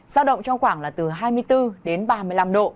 giao động trong khoảng là từ hai mươi bốn đến ba mươi năm độ